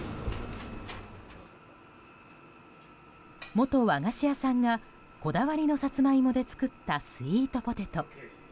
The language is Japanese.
元和菓子屋さんがこだわりのサツマイモで作ったスイートポテト。